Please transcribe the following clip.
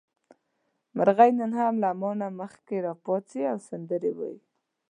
مرغۍ نن هم له ما نه مخکې راپاڅي او سندرې وايي.